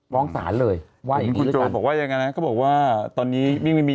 ฟ้องศาลเลยว่าอย่างนี้หรือเปล่าพี่โจ้บอกว่าอย่างนั้นนะเขาบอกว่าตอนนี้ยิ่งไม่มี